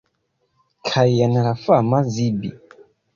Kaj jen la fama Zibi!